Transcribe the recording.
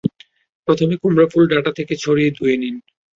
প্রথমে কুমড়া ফুল ডাটা থেকে ছাড়িয়ে ধুয়ে নিন।